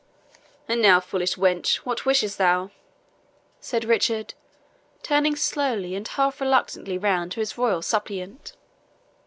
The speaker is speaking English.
"And now, foolish wench, what wishest thou?" said Richard, turning slowly and half reluctantly round to his royal suppliant.